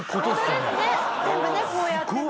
全部ねこうやってね。